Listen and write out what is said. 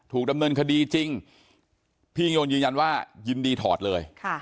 ถูกดำเนินคดีจริงพี่ยิงยงยืนยันว่ายินดีถอดเลยค่ะ